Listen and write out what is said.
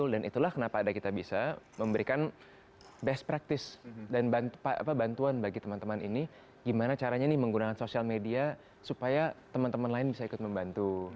dan itulah kenapa ada kitabisa memberikan best practice dan bantuan bagi teman teman ini gimana caranya menggunakan sosial media supaya teman teman lain bisa ikut membantu